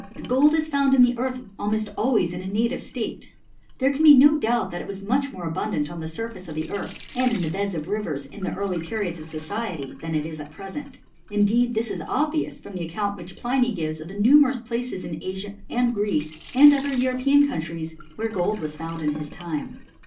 * Gold is found in the earth almost always in a native state. There can be no doubt that it was much more abundant on the surface of the earth, and in the beds of rivers in the early periods of so ciety, than it is at present: indeed this is obvious, from the account which Pliny gives of the numerous places in Asia and Greece, and other European coun tries, where gold was found in his time.